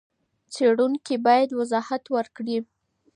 څېړونکی بايد وضاحت ورکړي.